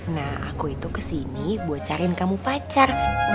nah aku itu kesini buat cariin kamu pacar